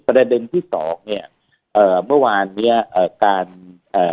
ประเด็นที่สองเนี้ยเอ่อเมื่อวานเนี้ยเอ่อการเอ่อ